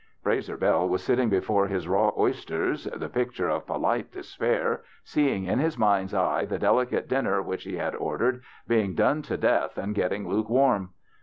Frazer Bell was sitting before his raw oys ters the picture of polite despair, seeing in his mind's eye the delicate dinner which he had ordered being done to death and getting lukewarm.